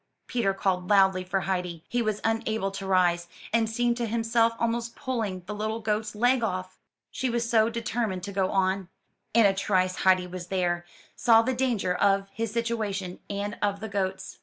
Peter called loudly for Heidi; he was unable to rise, and seemed to him self almost pulling the little goat's leg off, she was 288 UP ONE PAIR OF STAIRS SO determined to go on. In a trice Heidi was there, saw the danger of his situation and of the goat's.